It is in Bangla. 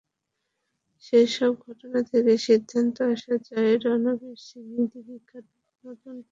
সেসব ঘটনা থেকে সিদ্ধান্তে আসা যায়, রণবীর সিংই দীপিকার নতুন প্রেমিক।